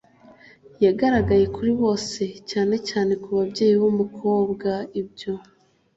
yagaragaye kuri bose, cyane cyane kubabyeyi b'umukobwa, ibyo